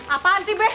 apaan sih be